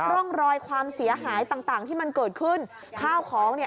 ร่องรอยความเสียหายต่างต่างที่มันเกิดขึ้นข้าวของเนี่ย